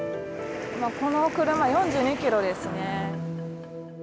この車は４２キロですね。